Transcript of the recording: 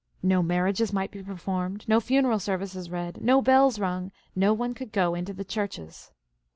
No marriages might be performed, no funeral services read, no bells rung, no one could go into/the churches.